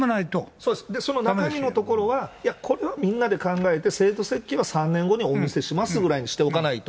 そうです、その中身のところは、いや、これはみんなで考えて、制度設計は３年後にお見せしますぐらいにしておかないと。